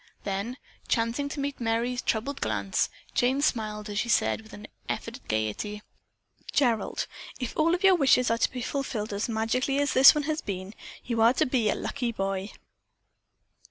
Then, chancing to meet Merry's troubled glance, Jane smiled as she said with an effort at gaiety: "Gerald, if all of your wishes are to be fulfilled as magically as this one has been, you are to be a lucky boy."